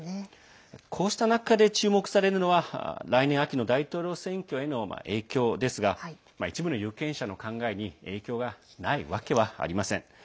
こうした中で注目されるのは来年秋の大統領選挙への影響ですが一部の有権者の考えに影響がないわけはありません。